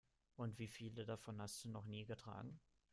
Und wie viele davon hast du noch nie getragen?